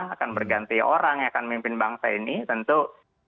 akan berganti orang akan memimpin bangsa ini itu itu itu itu